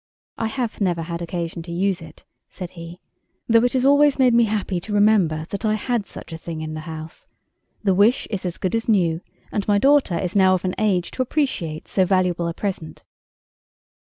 "I have never had occasion to use it," said he, "though it has always made me happy to remember that I had such a thing in the house. The wish is as good as new, and my daughter is now of an age to appreciate so valuable a present."